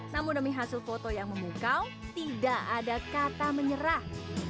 namun demi hasil foto yang memukau tidak ada kata menyerah